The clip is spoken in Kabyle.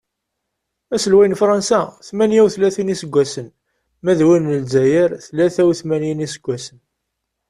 Aselway n Fransa tmanya utlatin iseggasen ma d win n lezzayer tlata utmanyin iseggasen.